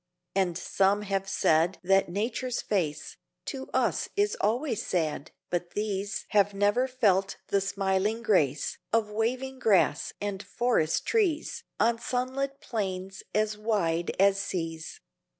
And some have said that Nature's face To us is always sad; but these Have never felt the smiling grace Of waving grass and forest trees On sunlit plains as wide as seas.